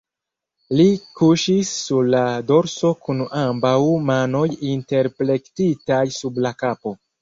Li kuŝis sur la dorso kun ambaŭ manoj interplektitaj sub la kapo.